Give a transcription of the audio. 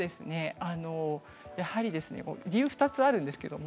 やはり理由は２つあります。